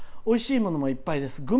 おいしいものもいっぱいです。